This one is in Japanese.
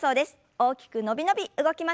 大きく伸び伸び動きましょう。